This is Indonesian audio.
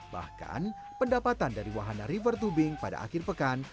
bahkan pendapatan dari wahana river tubing pada akhir pekan